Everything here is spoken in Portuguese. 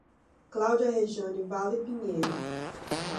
Cláudia Rejanne Vale Pinheiro